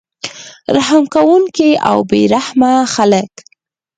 رحم کوونکي او بې رحمه خلک